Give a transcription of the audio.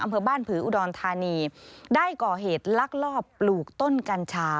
อำเภอบ้านผืออุดรธานีได้ก่อเหตุลักลอบปลูกต้นกัญชา